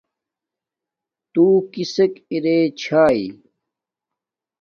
تُݸ کِسݵک ارݺ چھݳئی؟